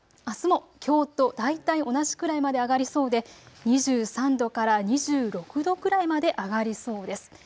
あすもきょうと大体同じくらいまで上がりそうで２３度から２６度くらいまで上がりそうです。